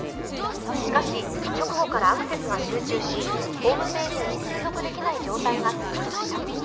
しかし直後からアクセスが集中しホームページに接続できない状態が続きました。